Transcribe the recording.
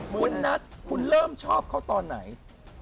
คุณนัทคุณเริ่มชอบเขาตอนไหน